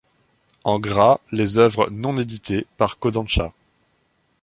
En gras, les œuvres non éditées par Kōdansha.